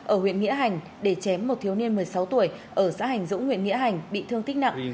ở huyện nghĩa hành để chém một thiếu niên một mươi sáu tuổi ở xã hành dũng huyện nghĩa hành bị thương tích nặng